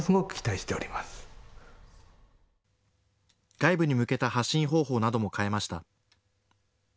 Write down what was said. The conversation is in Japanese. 外部に向けた発信方法なども変えました。